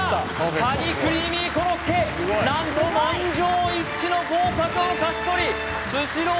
かにクリーミーコロッケ何と満場一致の合格を勝ち取りスシロー